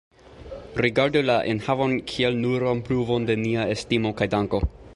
Rigardu la enhavon kiel nuran pruvon de nia estimo kaj danko.